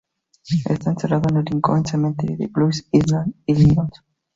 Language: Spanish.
Está enterrado en el Lincoln Cemetery en Blue Island, Illinois.